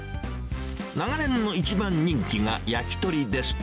長年の一番人気が、焼き鳥です。